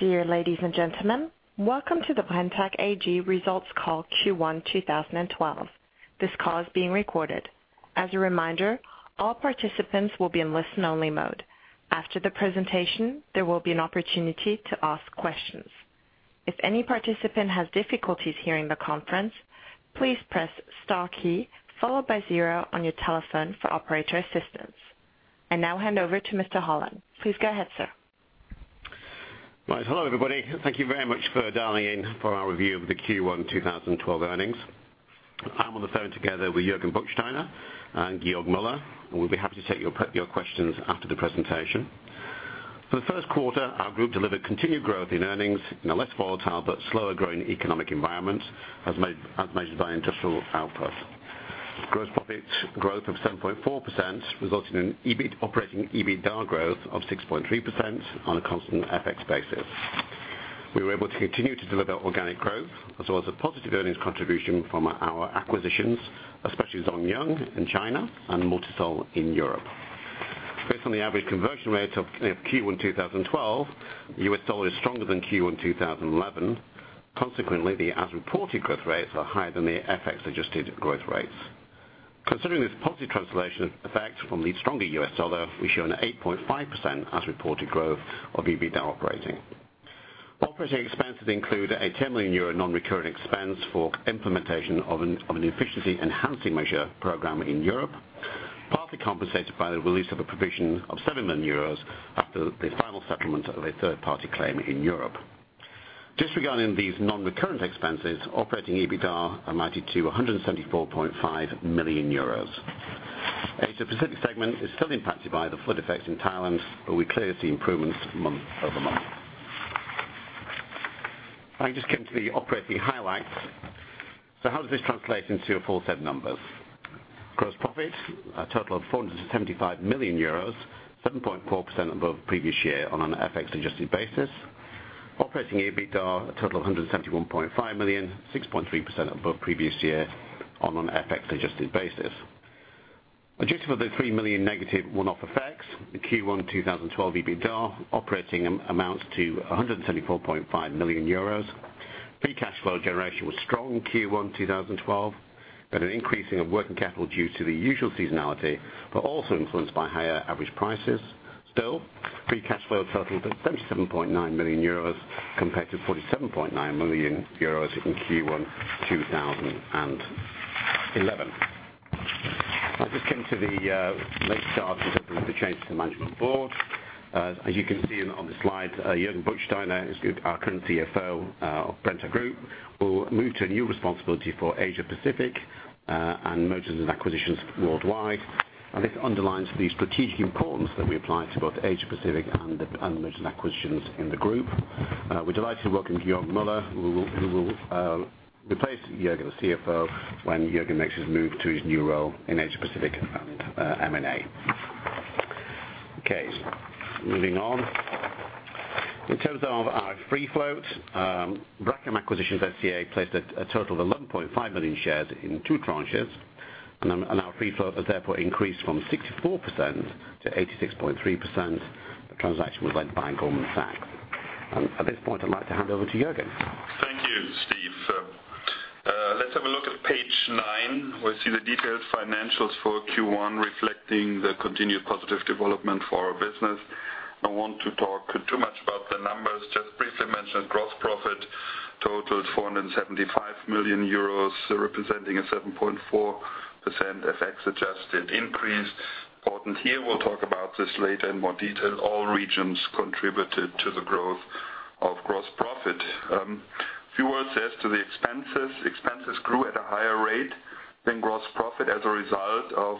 Dear ladies and gentlemen, welcome to the Brenntag AG results call Q1 2012. This call is being recorded. As a reminder, all participants will be in listen-only mode. After the presentation, there will be an opportunity to ask questions. If any participant has difficulties hearing the conference, please press * key followed by zero on your telephone for operator assistance. I now hand over to Mr. Holland. Please go ahead, sir. Right. Hello, everybody. Thank you very much for dialing in for our review of the Q1 2012 earnings. I am on the phone together with Jürgen Buchsteiner and Georg Müller, we will be happy to take your questions after the presentation. For the first quarter, our group delivered continued growth in earnings in a less volatile but slower-growing economic environment, as measured by industrial output. Gross profit growth of 7.4% resulted in operating EBITDAR growth of 6.3% on a constant FX basis. We were able to continue to deliver organic growth as well as a positive earnings contribution from our acquisitions, especially Zhong Yung in China and Multisol in Europe. Based on the average conversion rate of Q1 2012, the US dollar is stronger than Q1 2011. Consequently, the as-reported growth rates are higher than the FX-adjusted growth rates. Considering this positive translation effect from the stronger US dollar, we show an 8.5% as-reported growth of EBITDAR operating. Operating expenses include a 10 million euro non-recurrent expense for implementation of an efficiency-enhancing measure program in Europe, partly compensated by the release of a provision of 7 million euros after the final settlement of a third-party claim in Europe. Disregarding these non-recurrent expenses, operating EBITDAR amounted to 174.5 million euros. Asia Pacific segment is still impacted by the flood effects in Thailand, but we clearly see improvements month-over-month. I just came to the operating highlights. How does this translate into your full set of numbers? Gross profit, a total of 475 million euros, 7.4% above previous year on an FX-adjusted basis. Operating EBITDAR, a total of 171.5 million, 6.3% above previous year on an FX-adjusted basis. Adjusted for the three million negative one-off effects, the Q1 2012 EBITDAR operating amounts to 174.5 million euros. Free cash flow generation was strong in Q1 2012, an increasing of working capital due to the usual seasonality, but also influenced by higher average prices. Still, free cash flow totaled 37.9 million euros compared to 47.9 million euros in Q1 2011. I just came to the late start with the changes to the management board. As you can see on the slide, Jürgen Buchsteiner, our current CFO of Brenntag Group, will move to a new responsibility for Asia Pacific and mergers and acquisitions worldwide. This underlines the strategic importance that we apply to both Asia Pacific and mergers and acquisitions in the group. We are delighted to welcome Georg Müller, who will replace Jürgen, the CFO, when Jürgen makes his move to his new role in Asia Pacific and M&A. Okay. Moving on. In terms of our free float, Brachem Acquisitions SCA placed a total of 11.5 million shares in two tranches, and our free float has therefore increased from 64% to 86.3%. The transaction was led by Goldman Sachs. At this point, I'd like to hand over to Jürgen. Thank you, Steve. Let's have a look at page nine. We see the detailed financials for Q1 reflecting the continued positive development for our business. I want to talk too much about the numbers. Just briefly mention gross profit totaled 475 million euros, representing a 7.4% FX-adjusted increase. Important here, we'll talk about this later in more detail. All regions contributed to the growth of gross profit. A few words as to the expenses. Expenses grew at a higher rate than gross profit as a result of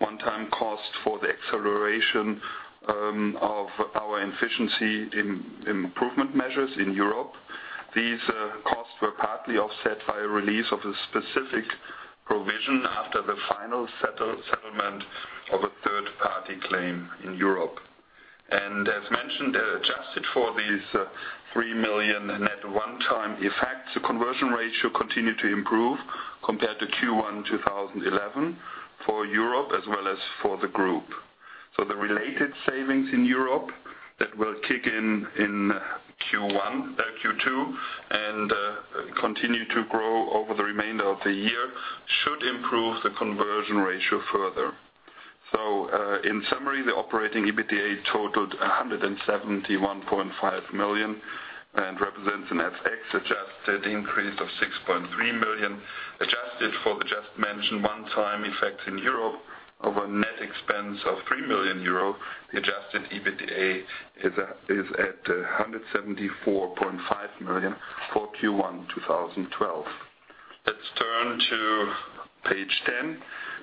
one-time cost for the acceleration of our efficiency improvement measures in Europe. These costs were partly offset by a release of a specific provision after the final settlement of a third-party claim in Europe. As mentioned, adjusted for these 3 million net one-time effects, the conversion ratio continued to improve compared to Q1 2011 for Europe as well as for the group. The related savings in Europe that will kick in in Q2 and continue to grow over the remainder of the year should improve the conversion ratio further. In summary, the operating EBITDA totaled 171.5 million and represents an FX-adjusted increase of 6.3 million. Adjusted for the just mentioned one-time effects in Europe of a net expense of 3 million euro, the adjusted EBITDA is at 174.5 million for Q1 2012. Let's turn to page 10.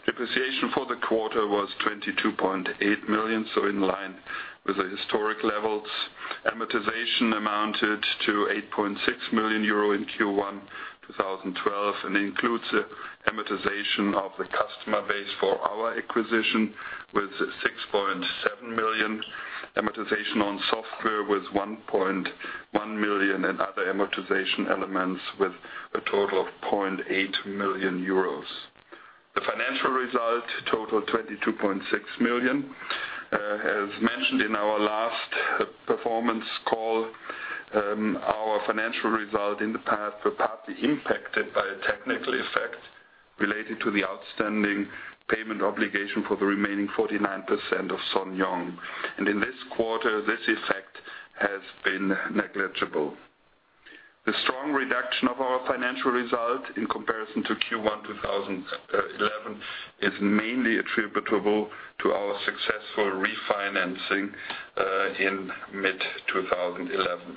Depreciation for the quarter was 22.8 million, in line with the historic levels. Amortization amounted to 8.6 million euro in Q1 2012 and includes amortization of the customer base for our acquisition with 6.7 million. Amortization on software was 1.1 million and other amortization elements with a total of 0.8 million euros. The financial result totaled 22.6 million. As mentioned in our last performance call, our financial result in the past were partly impacted by a technical effect related to the outstanding payment obligation for the remaining 49% of Sanyong. In this quarter, this effect has been negligible. The strong reduction of our financial result in comparison to Q1 2011 is mainly attributable to our successful refinancing in mid-2011.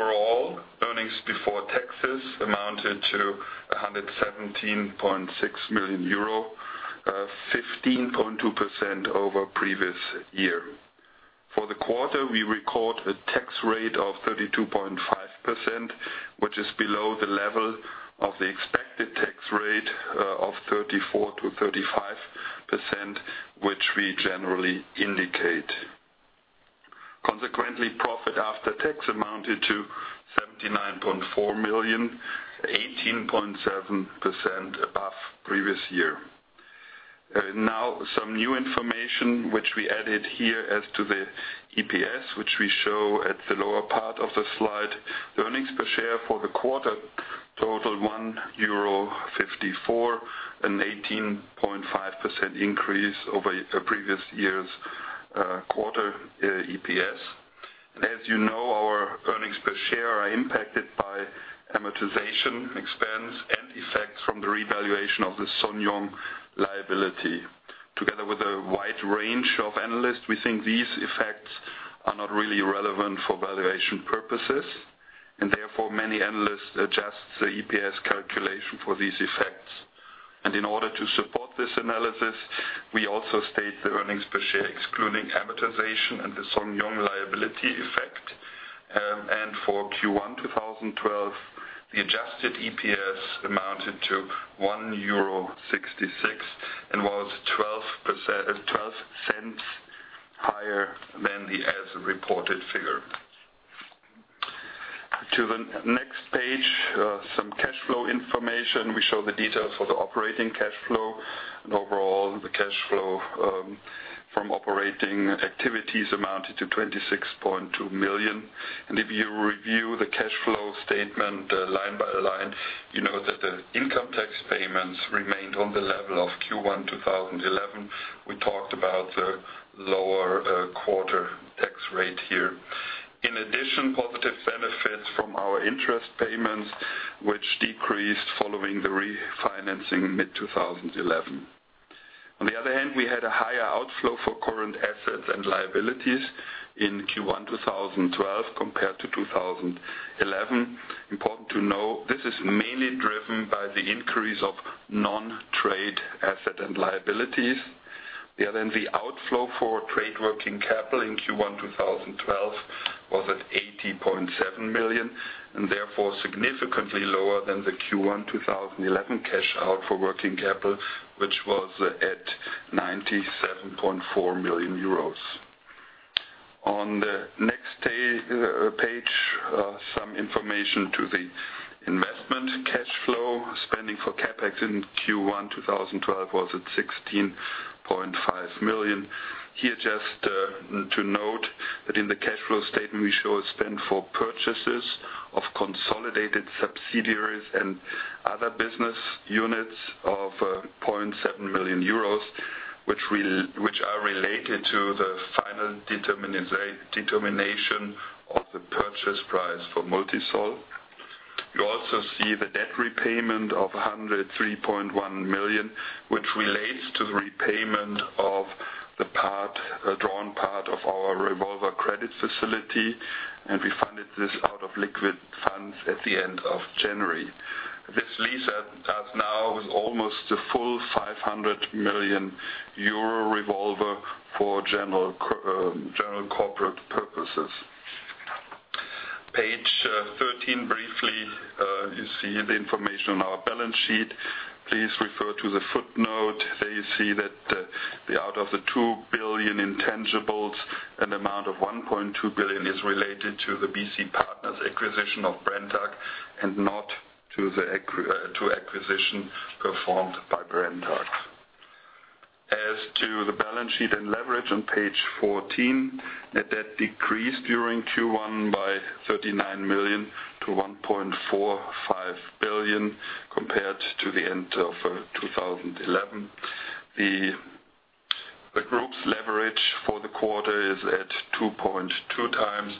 Overall, earnings before taxes amounted to 117.6 million euro, 15.2% over previous year. For the quarter, we record a tax rate of 32.5%, which is below the level of the expected tax rate of 34%-35%, which we generally indicate. Consequently, profit after tax amounted to 79.4 million, 18.7% above previous year. Now, some new information which we added here as to the EPS, which we show at the lower part of the slide. Earnings per share for the quarter totaled 1.54 euro, an 18.5% increase over the previous year's quarter EPS. As you know, our earnings per share are impacted by amortization expense and effects from the revaluation of the Sanyong liability. Together with a wide range of analysts, we think these effects are not really relevant for valuation purposes. Therefore, many analysts adjust the EPS calculation for these effects. In order to support this analysis, we also state the earnings per share, excluding amortization and the Sanyong liability effect. For Q1 2012, the adjusted EPS amounted to 1.66 euro and was 0.12 higher than the as-reported figure. To the next page, some cash flow information. We show the details for the operating cash flow and overall the cash flow from operating activities amounted to 26.2 million. If you review the cash flow statement line by line, you know that the income tax payments remained on the level of Q1 2011. We talked about the lower quarter tax rate here. In addition, positive benefits from our interest payments, which decreased following the refinancing mid-2011. On the other hand, we had a higher outflow for current asset and liabilities in Q1 2012 compared to 2011. Important to know, this is mainly driven by the increase of non-trade asset and liabilities. The outflow for trade working capital in Q1 2012 was at 80.7 million and therefore significantly lower than the Q1 2011 cash out for working capital, which was at 97.4 million euros. On the next page, some information to the investment cash flow. Spending for CapEx in Q1 2012 was at 16.5 million. Here just to note that in the cash flow statement, we show a spend for purchases of consolidated subsidiaries and other business units of 0.7 million euros, which are related to the final determination of the purchase price for Multisol. You also see the debt repayment of 103.1 million, which relates to the repayment of the drawn part of our revolver credit facility, and we funded this out of liquid funds at the end of January. This leaves us now with almost a full 500 million euro revolver for general corporate purposes. Page 13, briefly, you see the information on our balance sheet. Please refer to the footnote. There you see that out of the 2 billion in tangibles, an amount of 1.2 billion is related to the BC Partners acquisition of Brenntag and not to acquisition performed by Brenntag. As to the balance sheet and leverage on page 14, net debt decreased during Q1 by 39 million to 1.45 billion compared to the end of 2011. The group's leverage for the quarter is at 2.2 times,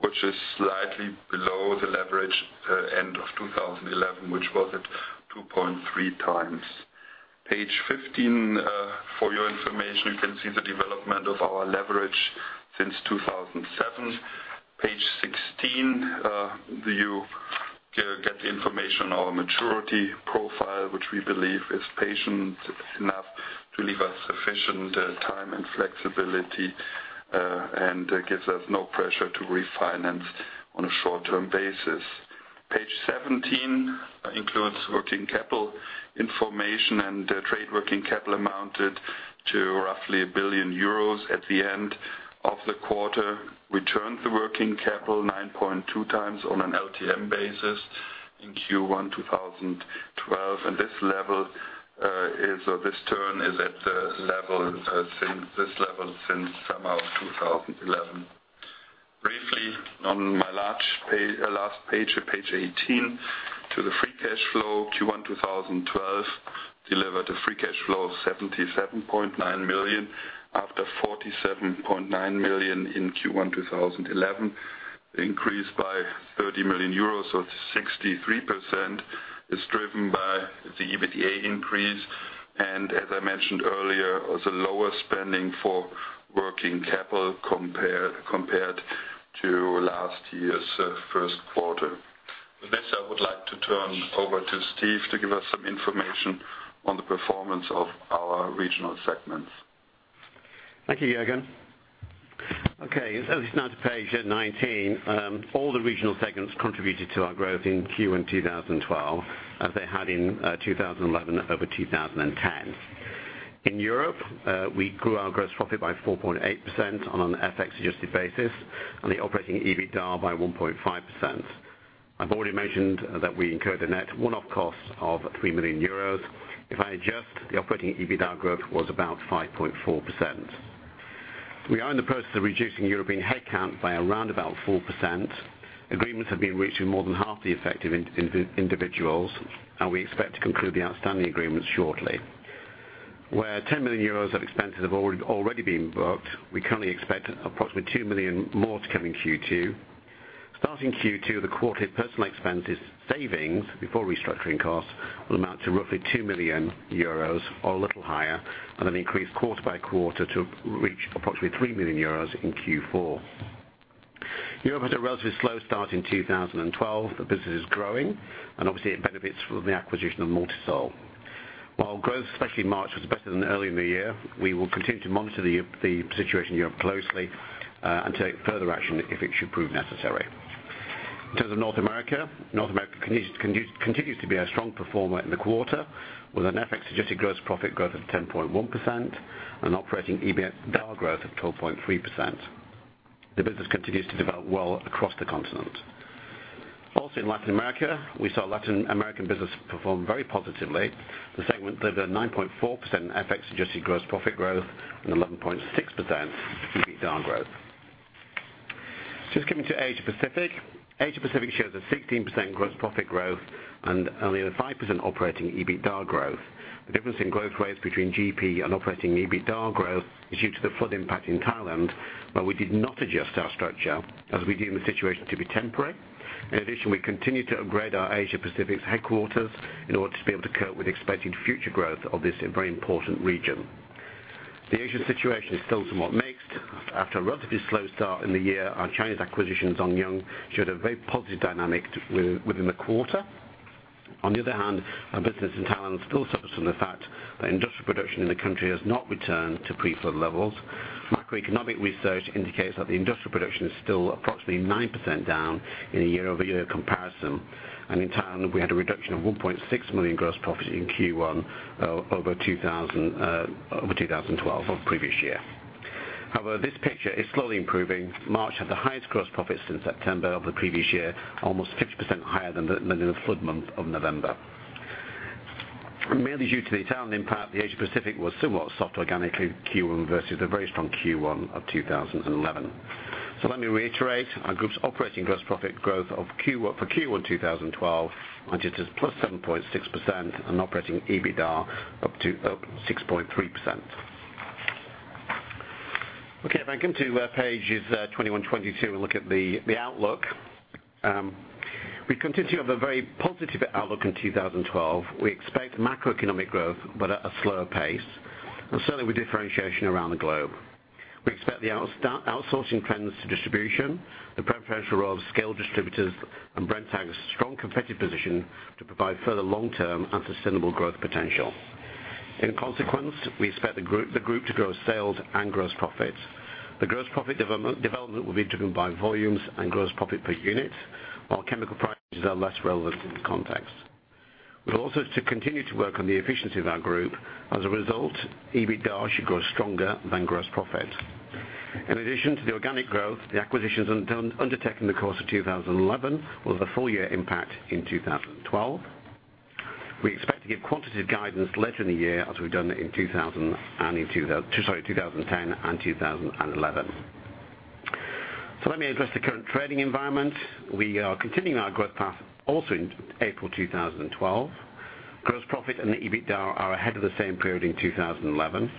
which is slightly below the leverage end of 2011, which was at 2.3 times. Page 15, for your information, you can see the development of our leverage since 2007. Page 16, you get the information on our maturity profile, which we believe is patient enough to leave us sufficient time and flexibility and gives us no pressure to refinance on a short-term basis. Page 17 includes working capital information. Trade working capital amounted to roughly 1 billion euros at the end of the quarter. We turned the working capital 9.2 times on an LTM basis in Q1 2012. This turn is at this level since summer of 2011. Briefly, on my last page 18. The free cash flow Q1 2012 delivered a free cash flow of 77.9 million after 47.9 million in Q1 2011. The increase by 30 million euros, so 63%, is driven by the EBITDA increase and as I mentioned earlier, the lower spending for working capital compared to last year's first quarter. With this, I would like to turn over to Steve to give us some information on the performance of our regional segments. Thank you, Jürgen. Okay. As we turn to page 19. All the regional segments contributed to our growth in Q1 2012, as they had in 2011 over 2010. In Europe, we grew our gross profit by 4.8% on an FX adjusted basis, and the operating EBITDA by 1.5%. I've already mentioned that we incurred a net one-off cost of 3 million euros. If I adjust, the operating EBITDA growth was about 5.4%. We are in the process of reducing European headcount by around about 4%. Agreements have been reached with more than half the affected individuals, and we expect to conclude the outstanding agreements shortly. Where 10 million euros of expenses have already been booked, we currently expect approximately 2 million more to come in Q2. Starting Q2, the quarter personal expenses savings before restructuring costs will amount to roughly 2 million euros or a little higher and then increase quarter by quarter to reach approximately 3 million euros in Q4. Europe has a relatively slow start in 2012. The business is growing and obviously it benefits from the acquisition of Multisol. While growth, especially March, was better than earlier in the year, we will continue to monitor the situation in Europe closely, and take further action if it should prove necessary. In terms of North America, North America continues to be a strong performer in the quarter with an FX adjusted gross profit growth of 10.1% and operating EBITDA growth of 12.3%. The business continues to develop well across the continent. Also in Latin America, we saw Latin American business perform very positively. The segment delivered a 9.4% FX adjusted gross profit growth and 11.6% EBITDA growth. Just coming to Asia-Pacific. Asia-Pacific shows a 16% gross profit growth and only a 5% operating EBITDA growth. The difference in growth rates between GP and operating EBITDA growth is due to the flood impact in Thailand, where we did not adjust our structure as we deem the situation to be temporary. In addition, we continue to upgrade our Asia-Pacific's headquarters in order to be able to cope with expected future growth of this very important region. The Asian situation is still somewhat mixed. After a relatively slow start in the year, our Chinese acquisition, Zhong Yung, showed a very positive dynamic within the quarter. On the other hand, our business in Thailand still suffers from the fact that industrial production in the country has not returned to pre-flood levels. Macroeconomic research indicates that the industrial production is still approximately 9% down in a year-over-year comparison. In Thailand, we had a reduction of 1.6 million gross profit in Q1 over 2012 of previous year. This picture is slowly improving. March had the highest gross profit since September of the previous year, almost 50% higher than the flood month of November. Mainly due to the Thailand impact, the Asia-Pacific was somewhat soft organically Q1 versus the very strong Q1 of 2011. Let me reiterate our group's operating gross profit growth for Q1 2012 amounted to +7.6% and operating EBITDA up 6.3%. If I come to pages 21, 22 and look at the outlook. We continue to have a very positive outlook in 2012. We expect macroeconomic growth, but at a slower pace, and certainly with differentiation around the globe. We expect the outsourcing trends to distribution, the preferential role of scale distributors, and Brenntag's strong competitive position to provide further long-term and sustainable growth potential. We expect the group to grow sales and gross profits. The gross profit development will be driven by volumes and gross profit per unit, while chemical prices are less relevant in the context. We've also to continue to work on the efficiency of our group. EBITDA should grow stronger than gross profit. In addition to the organic growth, the acquisitions undertaken in the course of 2011 will have a full-year impact in 2012. We expect to give quantitative guidance later in the year as we've done in 2010 and 2011. Let me address the current trading environment. We are continuing our growth path also in April 2012. Gross profit and the EBITDA are ahead of the same period in 2011.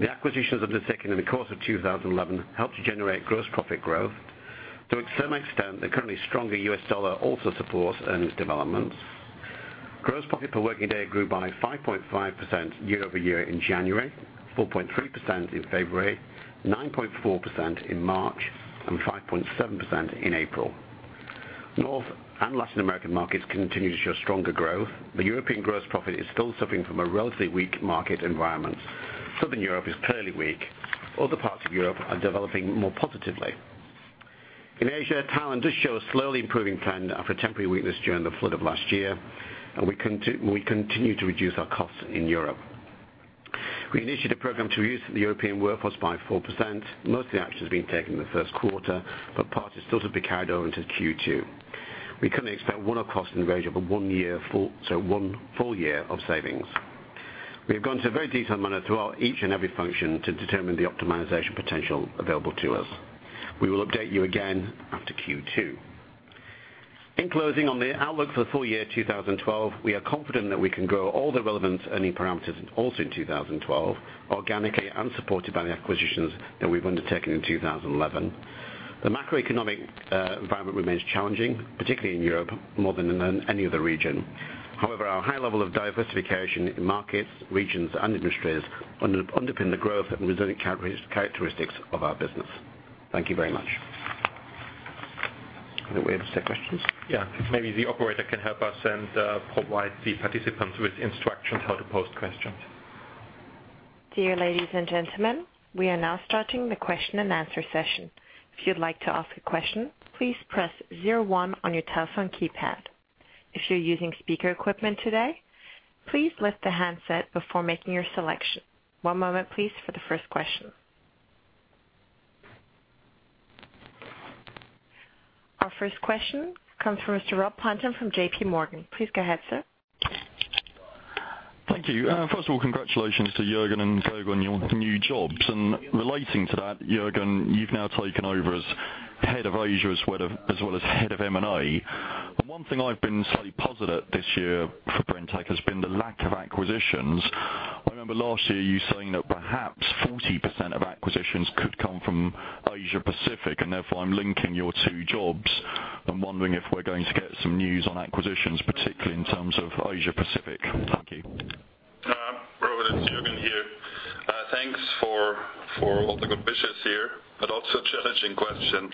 The acquisitions undertaken in the course of 2011 helped generate gross profit growth. To some extent, the currently stronger US dollar also supports earnings developments. Gross profit per working day grew by 5.5% year-over-year in January, 4.3% in February, 9.4% in March, and 5.7% in April. North and Latin American markets continue to show stronger growth. The European gross profit is still suffering from a relatively weak market environment. Southern Europe is clearly weak. Other parts of Europe are developing more positively. In Asia, Thailand does show a slowly improving trend after a temporary weakness during the flood of last year. We continue to reduce our costs in Europe. We initiated a program to reduce the European workforce by 4%. Most of the action's been taken in the first quarter, but part is still to be carried over into Q2. We currently expect one-off costs in the range of one full year of savings. We have gone to very detailed manner throughout each and every function to determine the optimization potential available to us. We will update you again after Q2. Closing on the outlook for the full year 2012, we are confident that we can grow all the relevant earning parameters also in 2012, organically and supported by the acquisitions that we've undertaken in 2011. The macroeconomic environment remains challenging, particularly in Europe, more than in any other region. Our high level of diversification in markets, regions, and industries underpin the growth and resilient characteristics of our business. Thank you very much. Are we able to take questions? Yeah. Maybe the operator can help us and provide the participants with instructions how to pose questions. Dear ladies and gentlemen, we are now starting the question and answer session. If you'd like to ask a question, please press 01 on your telephone keypad. If you're using speaker equipment today, please lift the handset before making your selection. One moment, please, for the first question. Our first question comes from Mr. Rob Pontin from JPMorgan. Please go ahead, sir. Thank you. First of all, congratulations to Jürgen and Georg Müller on your new jobs. Relating to that, Jürgen, you've now taken over as head of Asia as well as head of M&A. The one thing I've been slightly puzzled at this year for Brenntag has been the lack of acquisitions. I remember last year you saying that perhaps 40% of acquisitions could come from Asia-Pacific. Therefore I'm linking your two jobs and wondering if we're going to get some news on acquisitions, particularly in terms of Asia-Pacific. Thank you. Rob, it's Jürgen here. Thanks for all the good wishes here, also challenging question.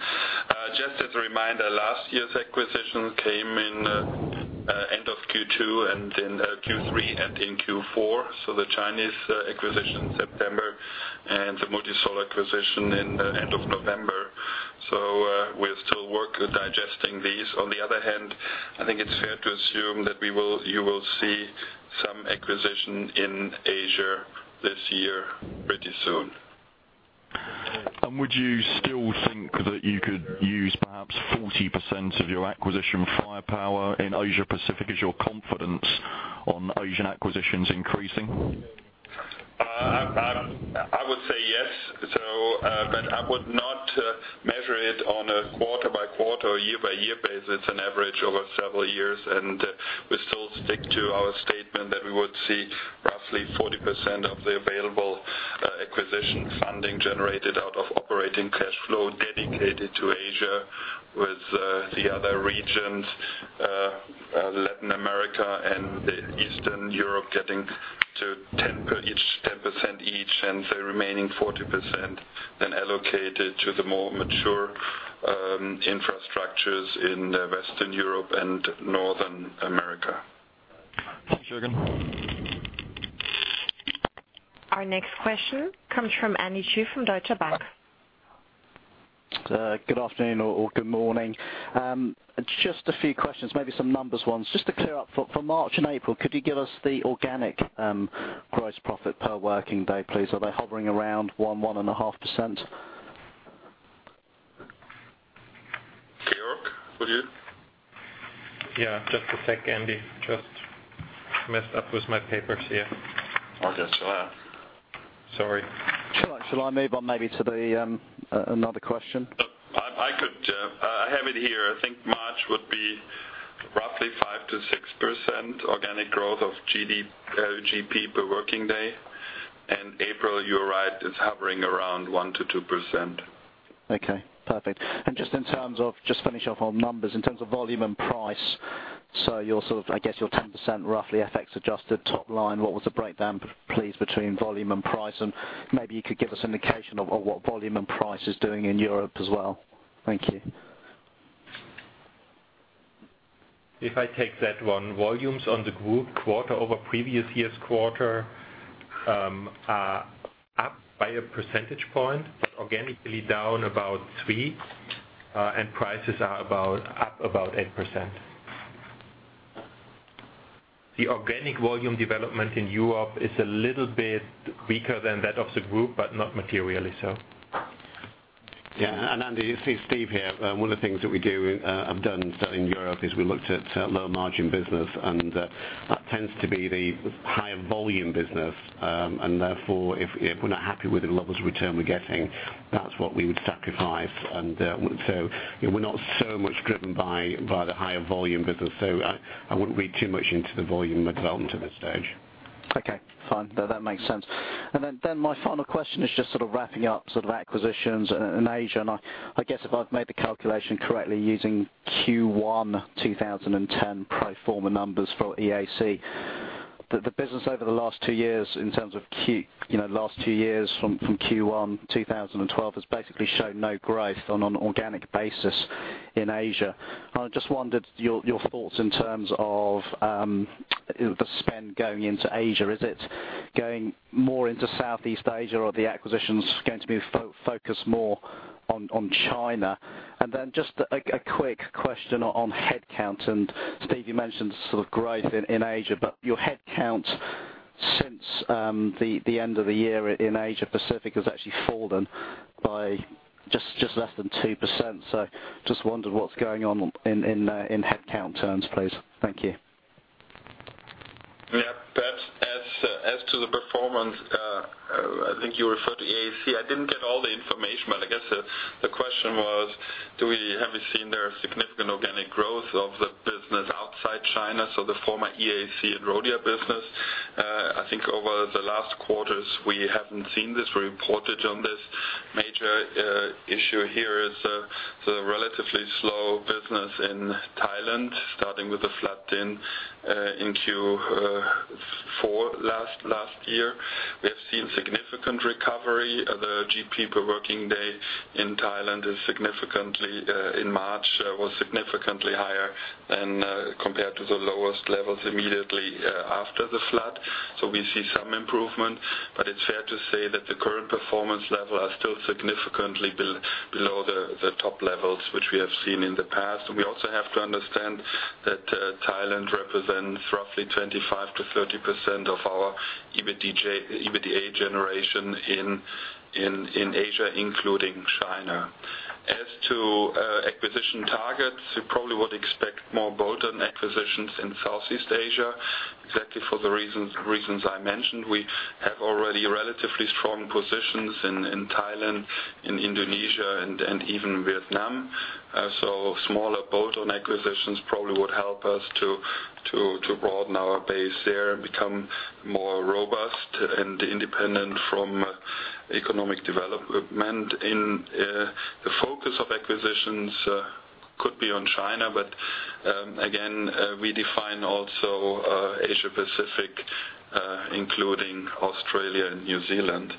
Just as a reminder, last year's acquisition came in end of Q2 and in Q3 and in Q4, the Chinese acquisition September and the Multisol acquisition in end of November. We're still work digesting these. On the other hand, I think it's fair to assume that you will see some acquisition in Asia this year pretty soon. Would you still think that you could use perhaps 40% of your acquisition firepower in Asia-Pacific? Is your confidence on Asian acquisitions increasing? I would say yes, I would not measure it on a quarter by quarter or year by year basis. It's an average over several years, we still stick to our statement that we would see roughly 40% of the available acquisition funding generated out of operating cash flow dedicated to Asia with the other regions, Latin America and Eastern Europe, getting to 10% each, the remaining 40% allocated to the more mature infrastructures in Western Europe and Northern America. Thanks, Jürgen. Our next question comes from Andy Chu from Deutsche Bank. Good afternoon or good morning. Just a few questions, maybe some numbers ones. Just to clear up, for March and April, could you give us the organic gross profit per working day, please? Are they hovering around 1%, 1.5%? Georg, for you? Yeah, just to take Andy. Just messed up with my papers here. Oh, just relax. Sorry. Shall I move on maybe to another question? I have it here. I think March would be roughly 5%-6% organic growth of GP per working day. April, you're right, it's hovering around 1%-2%. Okay. Perfect. Just finish off on numbers. In terms of volume and price, I guess your 10% roughly FX-adjusted top line, what was the breakdown, please, between volume and price? Maybe you could give us indication of what volume and price is doing in Europe as well. Thank you. If I take that one. Volumes on the group quarter over previous year's quarter are up by a percentage point, but organically down about three, and prices are up about 8%. The organic volume development in Europe is a little bit weaker than that of the group, but not materially so. Yeah. Andy, it's Steve here. One of the things that we do, I've done in Europe is we looked at low margin business, and that tends to be the higher volume business. Therefore, if we're not happy with the levels of return we're getting, that's what we would sacrifice. We're not so much driven by the higher volume business. I wouldn't read too much into the volume development at this stage. Okay, fine. That makes sense. My final question is just sort of wrapping up sort of acquisitions in Asia. I guess if I've made the calculation correctly using Q1 2010 pro forma numbers for EAC. The business over the last two years from Q1 2012 has basically shown no growth on an organic basis. In Asia. I just wondered your thoughts in terms of the spend going into Asia. Is it going more into Southeast Asia or are the acquisitions going to be focused more on China? Just a quick question on headcount. Steve, you mentioned growth in Asia, but your headcount since the end of the year in Asia Pacific has actually fallen by just less than 2%. Just wondered what's going on in headcount terms, please. Thank you. Yeah. That's, as to the performance, I think you referred to EAC. I didn't get all the information, but I guess the question was, have we seen there significant organic growth of the business outside China, so the former EAC and Rhodia business? I think over the last quarters, we haven't seen this. We reported on this major issue here is the relatively slow business in Thailand, starting with the flood in Q4 last year. We have seen significant recovery. The GP per working day in Thailand in March was significantly higher than compared to the lowest levels immediately after the flood. We see some improvement, but it's fair to say that the current performance level are still significantly below the top levels which we have seen in the past. We also have to understand that Thailand represents roughly 25%-30% of our EBITDA generation in Asia, including China. As to acquisition targets, you probably would expect more bolt-on acquisitions in Southeast Asia, exactly for the reasons I mentioned. We have already relatively strong positions in Thailand, in Indonesia, and even Vietnam. Smaller bolt-on acquisitions probably would help us to broaden our base there and become more robust and independent from economic development. The focus of acquisitions could be on China, but again, we define also Asia Pacific, including Australia and New Zealand.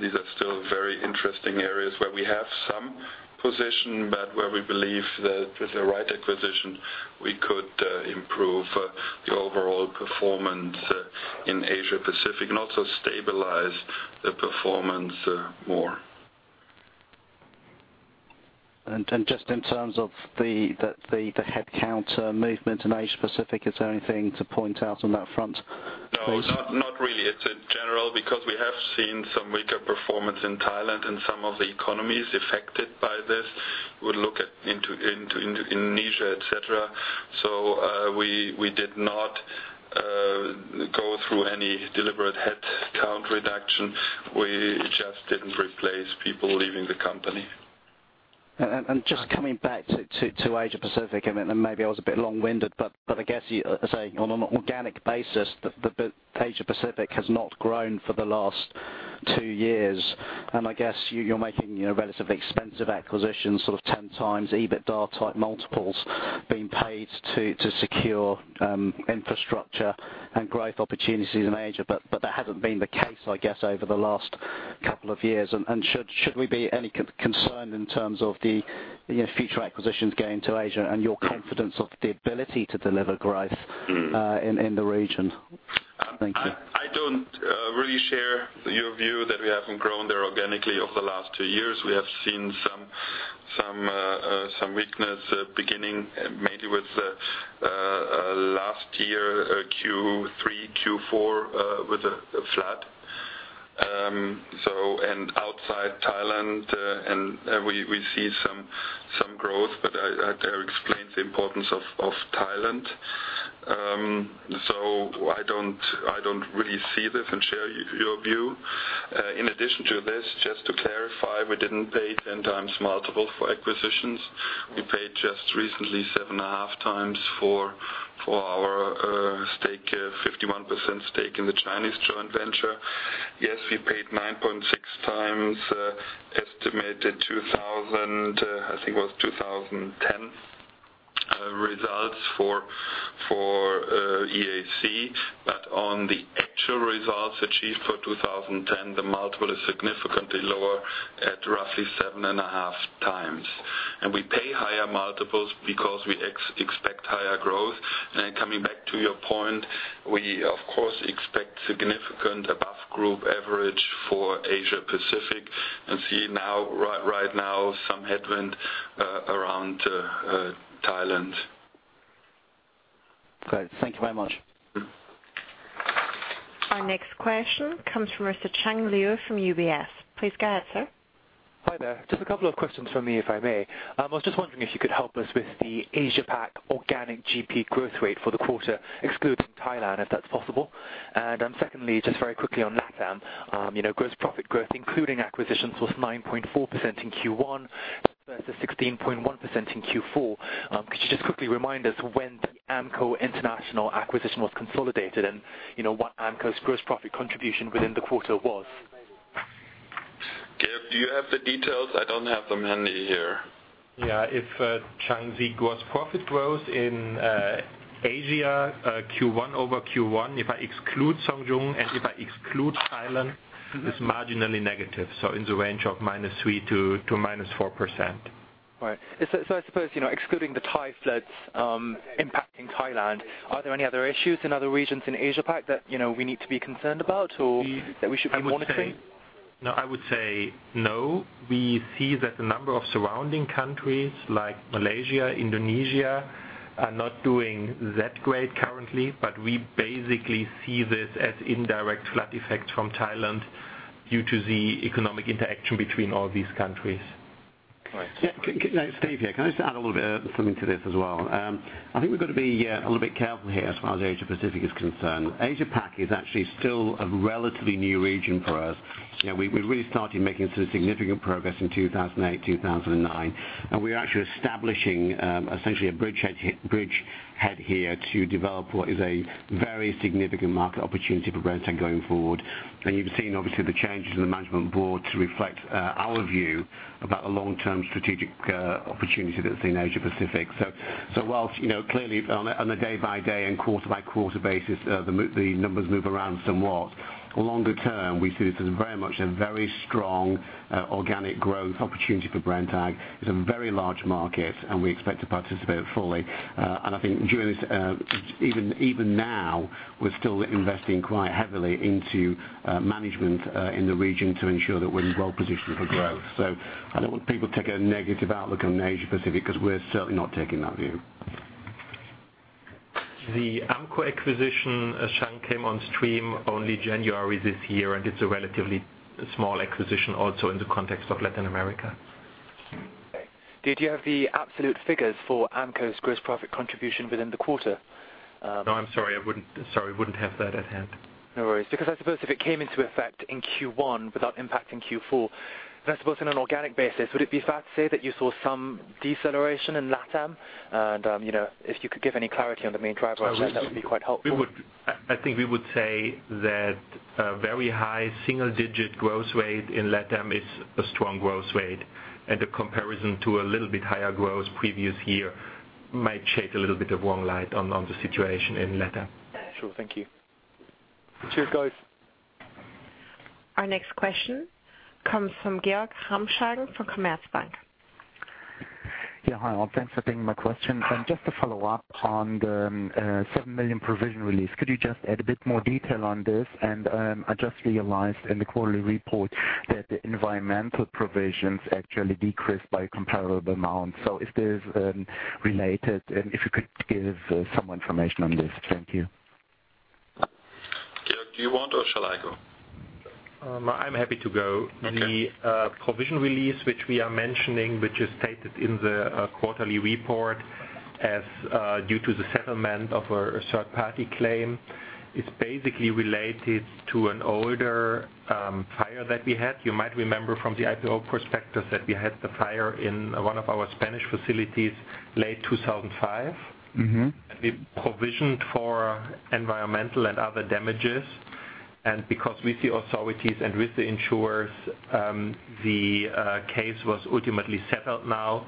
These are still very interesting areas where we have some position, but where we believe that with the right acquisition, we could improve the overall performance in Asia Pacific and also stabilize the performance more. Just in terms of the headcount movement in Asia Pacific, is there anything to point out on that front? No, not really. It's general because we have seen some weaker performance in Thailand and some of the economies affected by this would look into Indonesia, et cetera. We did not go through any deliberate headcount reduction. We just didn't replace people leaving the company. Just coming back to Asia Pacific, and maybe I was a bit long-winded, but I guess you say on an organic basis, that Asia Pacific has not grown for the last two years. I guess you're making relatively expensive acquisitions, 10x EBITDA-type multiples being paid to secure infrastructure and growth opportunities in Asia. That hasn't been the case, I guess, over the last couple of years. Should we be concerned in terms of the future acquisitions going to Asia and your confidence of the ability to deliver growth in the region? Thank you. I don't really share your view that we haven't grown there organically over the last two years. We have seen some weakness beginning maybe with last year, Q3, Q4, with the flood. Outside Thailand, we see some growth, but I had to explain the importance of Thailand. I don't really see this and share your view. In addition to this, just to clarify, we didn't pay 10 times multiple for acquisitions. We paid just recently 7.5 times for our 51% stake in the Chinese joint venture. Yes, we paid 9.6 times estimated 2000, I think it was 2010 results for EAC. On the actual results achieved for 2010, the multiple is significantly lower at roughly 7.5 times. We pay higher multiples because we expect higher growth. Coming back to your point, we of course expect significant above group average for Asia Pacific and see right now some headwind around Thailand. Great. Thank you very much. Our next question comes from Mr. Chang Liu from UBS. Please go ahead, sir. Hi there. Just a couple of questions from me, if I may. I was just wondering if you could help us with the Asia Pac organic GP growth rate for the quarter, excluding Thailand, if that's possible. Secondly, just very quickly on LatAm. Gross profit growth, including acquisitions, was 9.4% in Q1 as versus 16.1% in Q4. Could you just quickly remind us when the Amco Internacional acquisition was consolidated and what Amco's gross profit contribution within the quarter was? Gerd, do you have the details? I don't have them handy here. Yeah. Chang, the gross profit growth in Asia, Q1 over Q1, if I exclude Zhong Yung and if I exclude Thailand, is marginally negative, so in the range of -3% to -4%. Right. I suppose, excluding the Thai floods impacting Thailand, are there any other issues in other regions in Asia Pac that we need to be concerned about, or that we should be monitoring? No, I would say no. We see that the number of surrounding countries like Malaysia, Indonesia, are not doing that great currently, but we basically see this as indirect flood effects from Thailand due to the economic interaction between all these countries. Right. Yeah. Steve here. Can I just add a little bit, something to this as well? We've got to be a little bit careful here as far as Asia Pacific is concerned. Asia Pac is actually still a relatively new region for us. We really started making some significant progress in 2008, 2009, and we are actually establishing essentially a bridgehead here to develop what is a very significant market opportunity for Brenntag going forward. You've seen obviously the changes in the management board to reflect our view about the long-term strategic opportunity that's in Asia Pacific. Whilst, clearly on a day-by-day and quarter-by-quarter basis, the numbers move around somewhat. Longer term, we see this as very much a very strong, organic growth opportunity for Brenntag. It's a very large market, and we expect to participate fully. During this, even now, we're still investing quite heavily into management in the region to ensure that we're well-positioned for growth. I don't want people to take a negative outlook on Asia Pacific, because we're certainly not taking that view. The Amco acquisition, Chang, came on stream only January this year, and it's a relatively small acquisition also in the context of Latin America. Okay. Did you have the absolute figures for Amco's gross profit contribution within the quarter? No, I'm sorry. I wouldn't have that at hand. No worries, I suppose if it came into effect in Q1 without impacting Q4, I suppose on an organic basis, would it be fair to say that you saw some deceleration in LATAM? If you could give any clarity on the main driver of that would be quite helpful. I think we would say that a very high single-digit growth rate in LATAM is a strong growth rate, a comparison to a little bit higher growth previous year might shed a little bit of wrong light on the situation in LATAM. Sure. Thank you. Cheers, guys. Our next question comes from Georg Ramschagen from Commerzbank. Yeah. Hi, all. Thanks for taking my questions. Just to follow up on the 7 million provision release, could you just add a bit more detail on this? I just realized in the quarterly report that the environmental provisions actually decreased by a comparable amount. Is this related, and if you could give some information on this? Thank you. Georg, do you want or shall I go? I'm happy to go. The provision release, which we are mentioning, which is stated in the quarterly report as due to the settlement of a third-party claim, is basically related to an older fire that we had. You might remember from the IPO prospectus that we had the fire in one of our Spanish facilities late 2005. We provisioned for environmental and other damages. Because with the authorities and with the insurers, the case was ultimately settled now,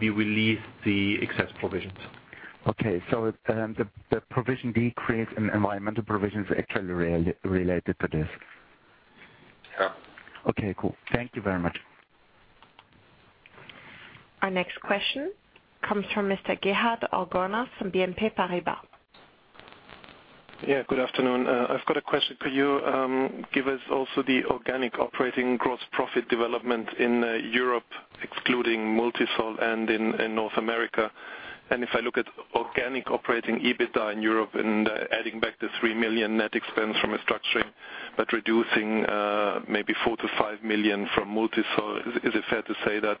we released the excess provisions. The provision decrease in environmental provisions are actually related to this. Yeah. Cool. Thank you very much. Our next question comes from Mr. Gerhard Orgonas from BNP Paribas. Good afternoon. I've got a question for you. Give us also the organic operating gross profit development in Europe, excluding Multisol and in North America. If I look at organic operating EBITDA in Europe and adding back the 3 million net expense from restructuring, but reducing maybe 4 million-5 million from Multisol, is it fair to say that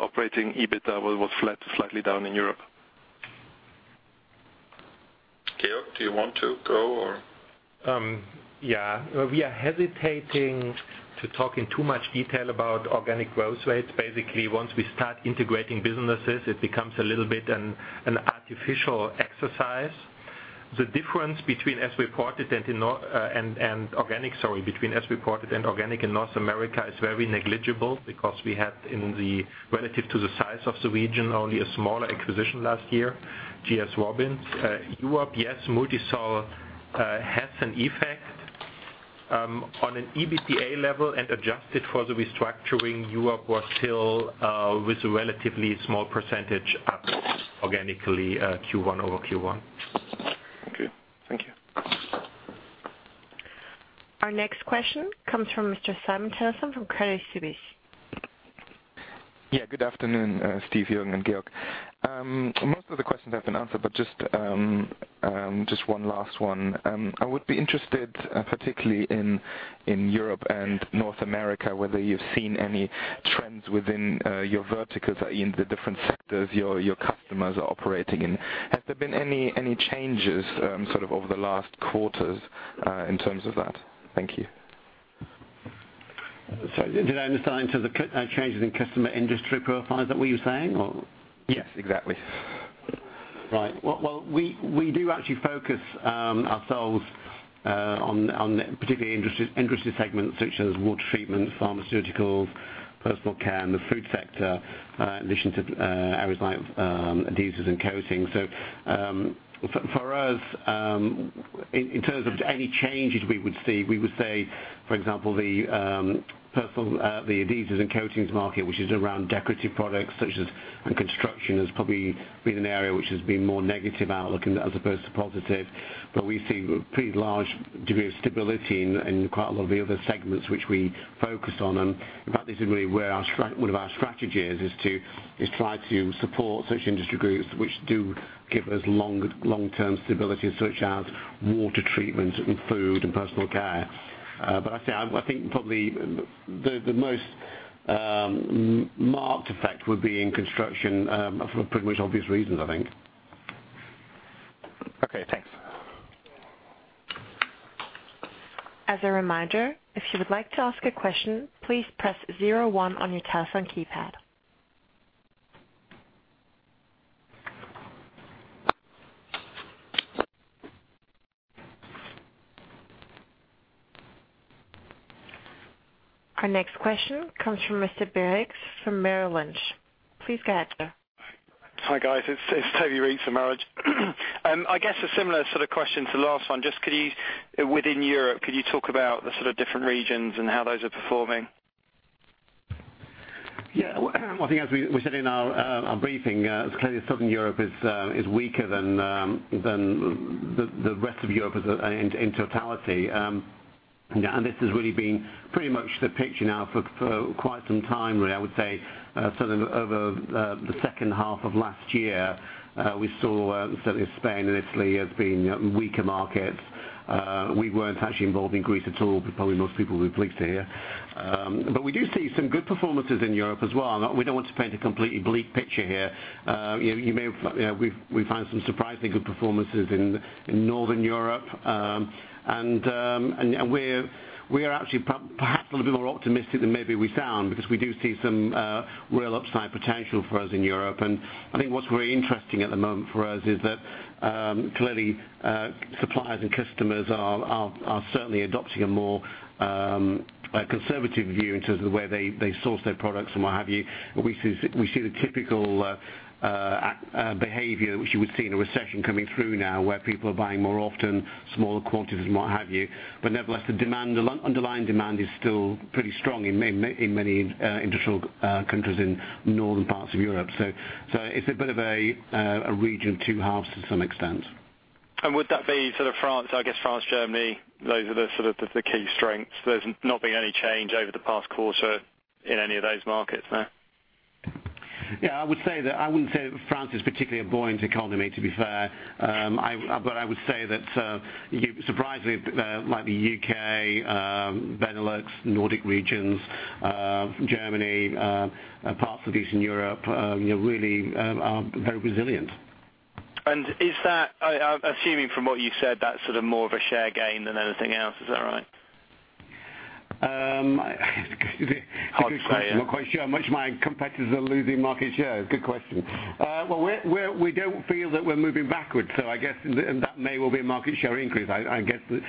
operating EBITDA was flat to slightly down in Europe? Georg, do you want to go or? Yeah. We are hesitating to talk in too much detail about organic growth rates. Basically, once we start integrating businesses, it becomes a little bit an artificial exercise. The difference between as reported and organic, sorry, between as reported and organic in North America is very negligible because we had in the, relative to the size of the region, only a smaller acquisition last year, G.S. Robins. Europe, yes, Multisol has an effect. On an EBITDA level and adjusted for the restructuring, Europe was still with a relatively small percentage up organically Q1 over Q1. Okay. Thank you. Our next question comes from Mr. Simon Telson from Credit Suisse. Yeah. Good afternoon, Steve, Jürgen, and Georg. Most of the questions have been answered, but just one last one. I would be interested, particularly in Europe and North America, whether you've seen any trends within your verticals in the different sectors your customers are operating in. Has there been any changes over the last quarters in terms of that? Thank you. Sorry, did I understand, so the changes in customer industry profiles, is that what you're saying, or? Yes, exactly. Right. Well, we do actually focus ourselves on particular industry segments such as water treatment, pharmaceuticals, personal care and the food sector, in addition to areas like adhesives and coatings. For us, in terms of any changes we would see, we would say, for example, the adhesives and coatings market, which is around decorative products and construction has probably been an area which has been more negative outlook as opposed to positive. We see pretty large degree of stability in quite a lot of the other segments which we focus on. In fact, this is really one of our strategies, is try to support such industry groups which do give us long-term stability, such as water treatment and food and personal care. I say, I think probably the most marked effect would be in construction, for pretty much obvious reasons, I think. Okay, thanks. As a reminder, if you would like to ask a question, please press zero one on your telephone keypad. Our next question comes from Mr. Barricks from Merrill Lynch. Please go ahead, sir. Hi, guys. It's Toby Reeks from Merrill Lynch. I guess a similar sort of question to the last one. Just within Europe, could you talk about the sort of different regions and how those are performing? I think as we said in our briefing, it's clear Southern Europe is weaker than the rest of Europe in totality. This has really been pretty much the picture now for quite some time, really. I would say sort of over the second half of last year, we saw certainly Spain and Italy as being weaker markets. We weren't actually involved in Greece at all, but probably most people will be pleased to hear. We do see some good performances in Europe as well. We don't want to paint a completely bleak picture here. We find some surprisingly good performances in Northern Europe. We are actually perhaps a little bit more optimistic than maybe we sound, because we do see some real upside potential for us in Europe. I think what's really interesting at the moment for us is that clearly, suppliers and customers are certainly adopting a more conservative view in terms of the way they source their products and what have you. We see the typical behavior which you would see in a recession coming through now, where people are buying more often, smaller quantities and what have you. Nevertheless, the underlying demand is still pretty strong in many industrial countries in northern parts of Europe. It's a bit of a region two halves to some extent. Would that be sort of France, I guess France, Germany, those are the sort of the key strengths. There's not been any change over the past quarter in any of those markets there? I wouldn't say France is particularly a buoyant economy, to be fair. I would say that surprisingly, like the U.K., Benelux, Nordic regions, Germany, parts of Eastern Europe, really are very resilient. I'm assuming from what you said, that's sort of more of a share gain than anything else. Is that right? It's a good question. Hard to say. I'm not quite sure how much my competitors are losing market share. It's a good question. Well, we don't feel that we're moving backwards, so I guess that may well be a market share increase. I guess the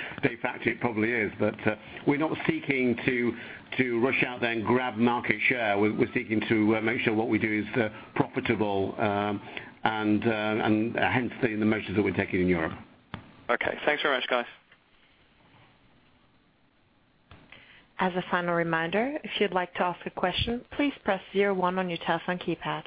fact it probably is, but we're not seeking to rush out there and grab market share. We're seeking to make sure what we do is profitable, and hence the measures that we're taking in Europe. Okay, thanks very much, guys. As a final reminder, if you'd like to ask a question, please press 01 on your telephone keypad.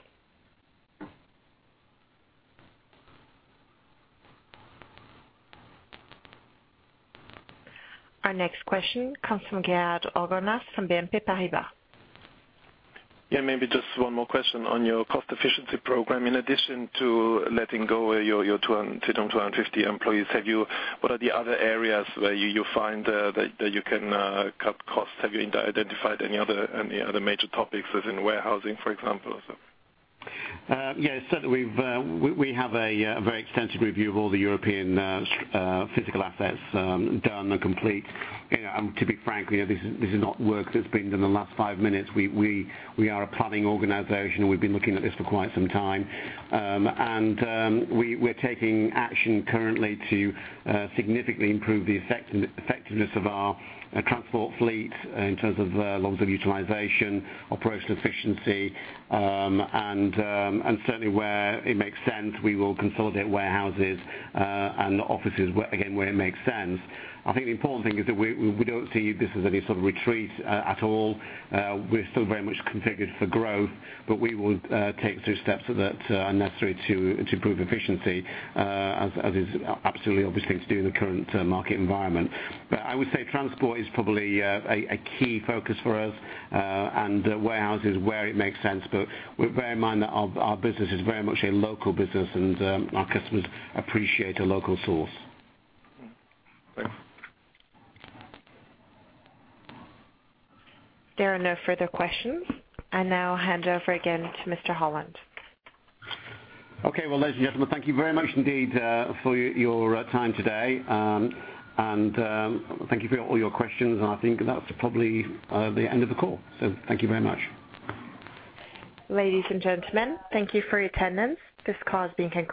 Our next question comes from Geoffroy d'Alançon from BNP Paribas. Yeah, maybe just one more question on your cost efficiency program. In addition to letting go your 200-250 employees, what are the other areas where you find that you can cut costs? Have you identified any other major topics, as in warehousing, for example? Yeah, certainly we have a very extensive review of all the European physical assets done and complete. To be frankly, this is not work that's been done in the last five minutes. We are a planning organization, and we've been looking at this for quite some time. We're taking action currently to significantly improve the effectiveness of our transport fleet in terms of load utilization, operational efficiency, and certainly where it makes sense, we will consolidate warehouses and offices, again, where it makes sense. I think the important thing is that we don't see this as any sort of retreat at all. We're still very much configured for growth, we will take the steps that are necessary to improve efficiency, as is absolutely obviously to do in the current market environment. I would say transport is probably a key focus for us, and warehouses where it makes sense. Bear in mind that our business is very much a local business, and our customers appreciate a local source. Thanks. There are no further questions. I now hand over again to Mr. Holland. Okay. Well, ladies and gentlemen, thank you very much indeed for your time today. Thank you for all your questions, and I think that's probably the end of the call. Thank you very much. Ladies and gentlemen, thank you for your attendance. This call is being concluded.